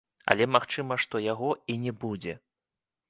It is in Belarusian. Але магчыма, што яго і не будзе.